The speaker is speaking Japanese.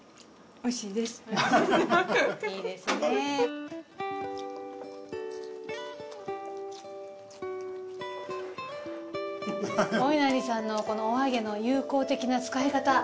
おいなりさんのこのお揚げの有効的な使い方。